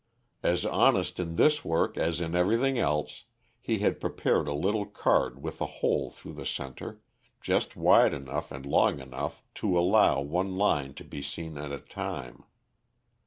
As honest in this work as in every thing else, he had prepared a little card with a hole through the centre, just wide enough and long enough to allow one line to be seen at a time.